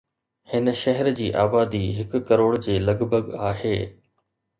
هن شهر جي آبادي هڪ ڪروڙ جي لڳ ڀڳ آهي